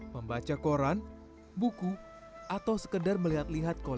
membaca koran buku atau sekedar melihat lihat koleksi